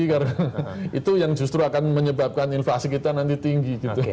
karena itu yang justru akan menyebabkan inflasi kita nanti tinggi gitu